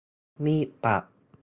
มีดปัก